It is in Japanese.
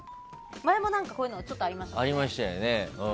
前も、こういうのちょっとありましたね。